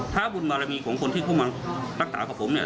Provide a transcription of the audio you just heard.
ถ้าบุญบารมีของคนที่เข้ามารักษากับผมเนี่ย